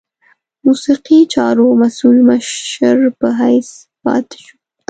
د موسیقي چارو مسؤل مشر په حیث پاته شو.